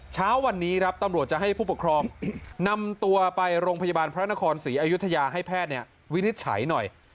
เช้าวันนี้ครับตำรวจจะให้ผู้ปกครองนำตัวไปโรงพยาบาลพระนครศรีอยุธยาให้แพทย์วินิจฉัยหน่อย